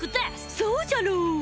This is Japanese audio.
そうじゃろう！